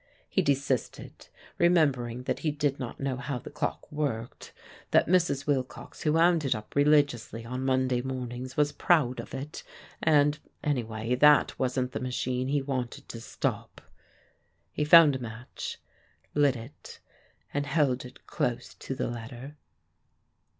He desisted, remembering that he did not know how the clock worked that Mrs. Wilcox, who wound it up religiously on Monday mornings, was proud of it, and anyway, that wasn't the machine he wanted to stop. He found a match, lit it and held it close to the letter.